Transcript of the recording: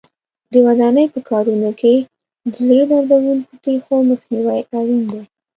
د ودانۍ په کارونو کې د زړه دردوونکو پېښو مخنیوی اړین دی.